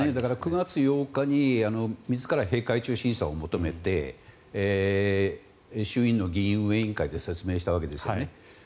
９月８日に自ら閉会中審査を求めて衆院の議院運営委員会で説明したわけですね。